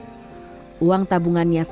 uang tabungannya selama berusaha untuk mencari uang